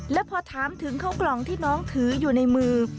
และพอถามถึงเข้ากล่องที่น้องถืออยู่ในมือ